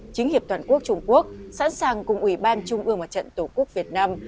chính hiệp toàn quốc trung quốc sẵn sàng cùng ủy ban trung ương mặt trận tổ quốc việt nam